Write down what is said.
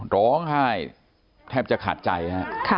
ร้องไห้แทบจะขาดใจฮะ